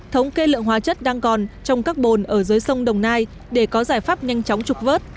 thống kê lượng hóa chất đang còn trong các bồn ở dưới sông đồng nai để có giải pháp nhanh chóng trục vớt